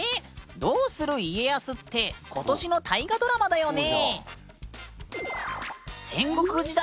「どうする家康」って今年の大河ドラマだよね？